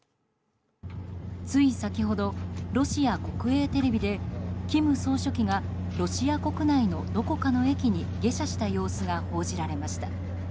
つい先ほど、ロシア国営テレビで金総書記がロシア国内のどこかの駅に下車した様子が報じられました。